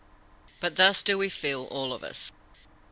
But thus do we feel, all of us."